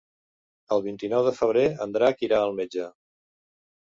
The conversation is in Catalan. El vint-i-nou de febrer en Drac irà al metge.